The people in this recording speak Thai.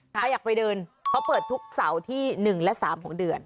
ใครอยากไปเดินเขาเปิดทุกเสาร์ที่๑และ๓ของเดือน